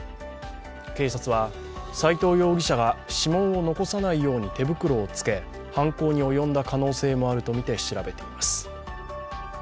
警察は斉藤容疑者が指紋を残さないように手袋を着け犯行に及んだ可能性もあるとみて調べています。